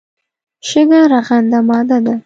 شګه رغنده ماده ده.